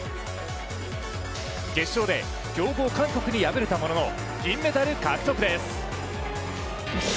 決勝で、強豪・韓国に敗れたものの銀メダル獲得です。